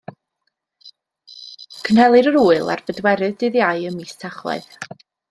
Cynhelir yr ŵyl ar y pedwerydd Dydd Iau ym mis Tachwedd.